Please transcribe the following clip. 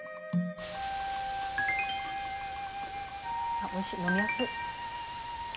あっおいしい呑みやすい。